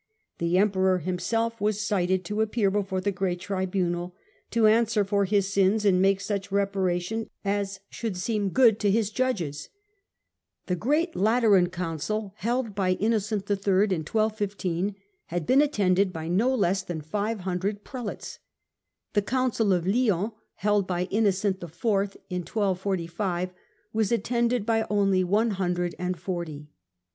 The Emperor himself was cited to appear before the great tribunal, to answer for his sins and make such reparation as should seem good to his judges. The great Lateran Council, held by Innocent III in 1215 had been attended by no less than five hundred Prelates ; the Council of Lyons, held by Innocent IV in 1245, was attended by only one hundred and forty.